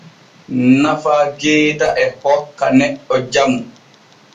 Nafa geeta e hokka neɗɗo jamu.